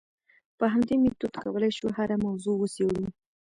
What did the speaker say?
په همدې میتود کولای شو هره موضوع وڅېړو.